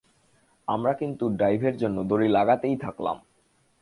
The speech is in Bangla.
আমরা কিন্তু ডাইভের জন্য দড়ি লাগাতেই থাকলাম।